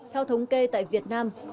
theo thống kê tại việt nam